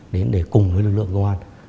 đến để cùng với lực lượng công an